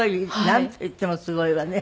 なんといってもすごいわね。